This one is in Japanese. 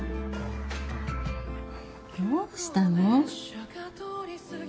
どうしたの？